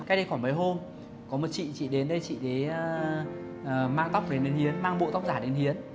cách đây khoảng mấy hôm có một chị chị đến đây chị ấy mang tóc này đến hiến mang bộ tóc giả đến hiến